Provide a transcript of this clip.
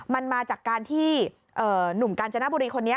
มันมาจากการที่หนุ่มกาญจนบุรีคนนี้